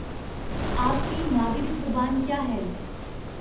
آپ کی مادری زبان کیا ہے؟